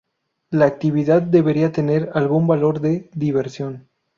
La actividad debería tener algún valor de diversión.